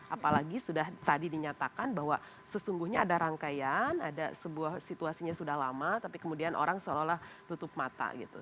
apalagi sudah tadi dinyatakan bahwa sesungguhnya ada rangkaian ada sebuah situasinya sudah lama tapi kemudian orang seolah olah tutup mata gitu